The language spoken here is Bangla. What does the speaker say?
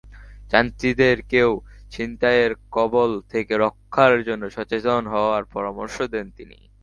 যাত্রীদেরকেও ছিনতাইয়ের কবল থেকে রক্ষার জন্য সচেতন হওয়ার পরামর্শ দেন তিনি।